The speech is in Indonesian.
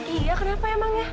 iya kenapa emangnya